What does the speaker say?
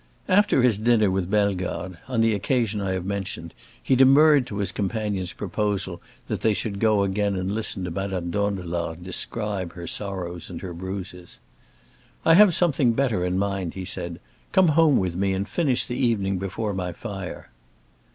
After his dinner with Bellegarde, on the occasion I have mentioned, he demurred to his companion's proposal that they should go again and listen to Madame Dandelard describe her sorrows and her bruises. "I have something better in mind," he said; "come home with me and finish the evening before my fire."